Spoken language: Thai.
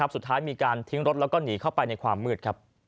สุดท้ายมีการทิ้งรถแล้วก็หนีเข้าไปในความมืด